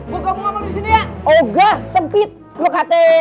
gua gak mau ngamal disini ya